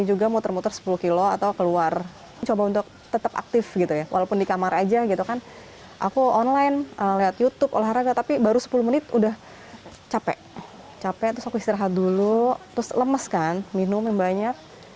capek capek terus aku istirahat dulu terus lemes kan minum yang banyak